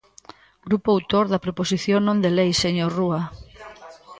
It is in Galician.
Grupo autor da proposición non de lei, señor Rúa.